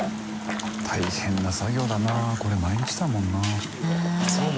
大変な作業だなこれ毎日だもんな。